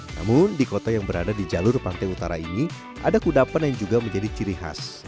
namun di kota yang berada di jalur pantai utara ini ada kudapan yang juga menjadi ciri khas